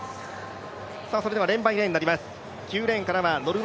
それではレーンバイレーンになります。